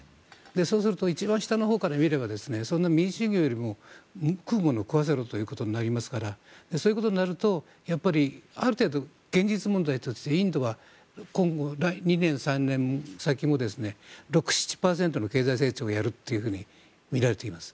そうすると一番下のほうから見れば、民主主義よりも食うものを食わせろということになりますからそういうことになるとある程度、現実問題としてインドは今後、２年、３年先も６７％の経済成長をやるとみられています。